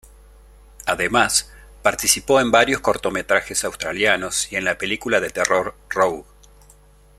Además, participó en varios cortometrajes australianos y en la película de terror "Rogue".